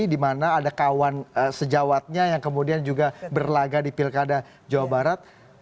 di mana ada kawan sejawatnya yang kemudian juga berlaga di pilkada jawa barat